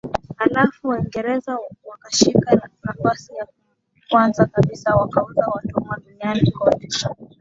halafu Waingereza wakashika nafasi ya kwanza kabisa wakauza watumwa duniani kote